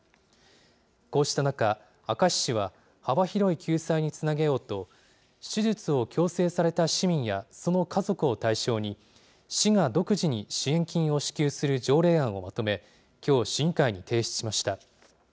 こうした中、明石市は、幅広い救済につなげようと、手術を強制された市民やその家族を対象に、市が独自に支援金を支給する条例案をまとめ、きょう、市議会に提出しました。